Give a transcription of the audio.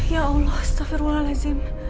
ya allah astaghfirullahaladzim